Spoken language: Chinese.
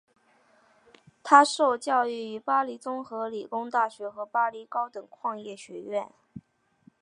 他受教育于巴黎综合理工大学和巴黎高等矿业学院。